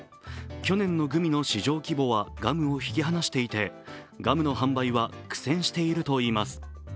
去年のグミの市場規模はガムを引き離していてガムの販売は苦戦しているといいます。